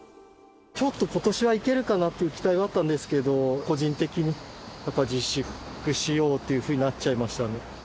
ちょっとことしは行けるかなっていう期待はあったんですけど、個人的にやっぱり自粛しようっていうふうになっちゃいましたね。